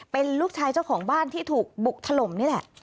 เป็นลูกชายเจ้าของบ้านที่ถูกบุกถล่มนี่แหละ